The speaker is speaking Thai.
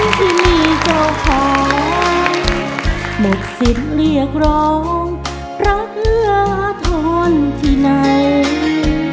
คนที่มีเจ้าของหมดศิษย์เรียกร้องรักเหลือทนที่ใน